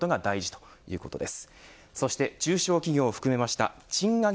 ということです。